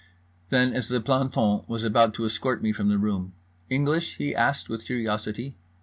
Then, as the planton was about to escort me from the room: "English?" he asked with curiosity.